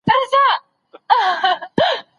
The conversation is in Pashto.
دغه وینا باید په پښتو کي وژباړل سي.